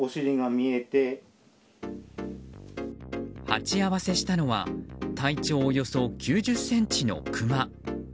鉢合わせしたのは体長およそ９０ｃｍのクマ。